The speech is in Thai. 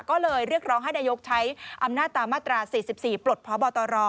ก็เลยเรียกร้องให้นายกใช้อำนาจตามมาตรา๔๔ปลดพบตร